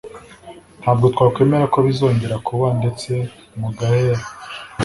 ntabwo twakemera ko bizongera kuba ndetse mugaher